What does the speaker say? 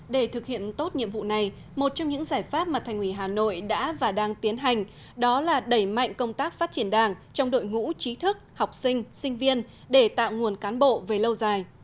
để thực hiện tốt nhiệm vụ này một trong những giải pháp mà thành ủy hà nội đã và đang tiến hành đó là đẩy mạnh công tác phát triển đảng trong đội ngũ trí thức học sinh sinh viên để tạo nguồn cán bộ về lâu dài